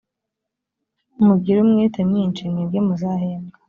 mugire umwete mwinshi mwebwe muzahembwa